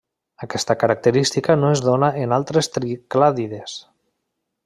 Aquesta característica no es dóna en altres triclàdides.